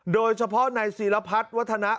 โดยเฉพาะในศีรพัฒนา